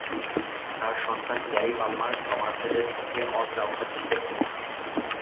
তার সন্তান Gary Palmer সমারসেটের পক্ষে অল-রাউন্ডার হিসেবে খেলেছেন।